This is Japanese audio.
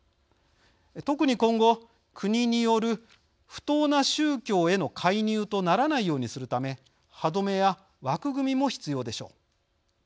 特に今後、国による不当な宗教への介入とならないようにするため歯止めや枠組みも必要でしょう。